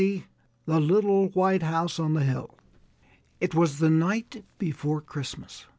Y.] THE LITTLE WHITE HOUSE ON THE HILL It was the night before Christmas.